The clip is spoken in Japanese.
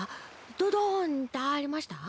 ドドンってありました？